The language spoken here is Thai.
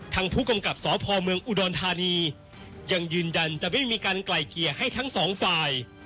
ทางผู้กำกับสพเมืองอุดรธานียังยืนยันจะไม่มีการไกลเกลี่ยให้ทั้งสองฝ่าย